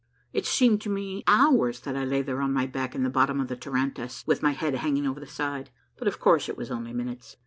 It seemed to me hours that I lay there on my back in the bottom of the tarantass with my head hanging over the side, but of course it was only minutes.